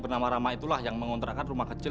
bernama rama itulah yang mengontrakan rumah kecil